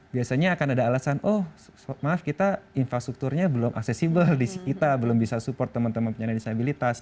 biasanya akan ada alasan oh maaf kita infrastrukturnya belum aksesibel di kita belum bisa support teman teman penyandang disabilitas